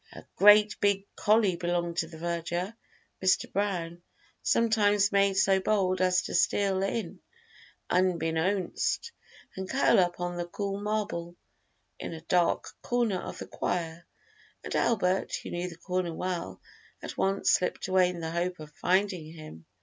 A great big collie belonging to the verger, Mr. Brown, sometimes made so bold as to steal in "unbeknownst" and curl up on the cool marble in a dark corner of the choir, and Albert, who knew the corner well, at once slipped away in the hope of finding him.